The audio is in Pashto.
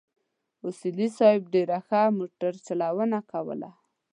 اصولي صیب ډېره ښه موټر چلونه کوله.